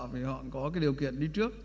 vì họ có cái điều kiện đi trước